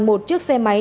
một chiếc xe máy